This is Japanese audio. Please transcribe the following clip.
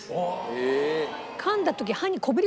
へえ。